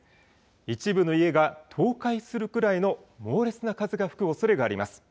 一部の家が倒壊するぐらいの猛烈な風が吹くおそれがあります。